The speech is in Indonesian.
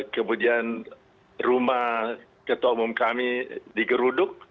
kemudian rumah ketua umum kami digeruduk